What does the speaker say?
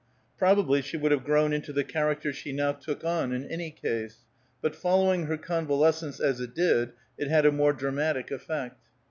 Probably she would have grown into the character she now took on in any case; but following her convalescence as it did, it had a more dramatic effect.